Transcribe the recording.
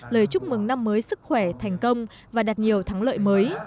lời chúc mừng năm mới sức khỏe thành công và đạt nhiều thắng lợi mới